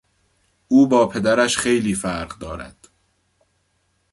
او با پدرش خیلی فرق دارد.